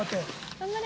頑張れ！